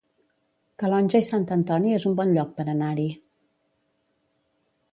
Calonge i Sant Antoni es un bon lloc per anar-hi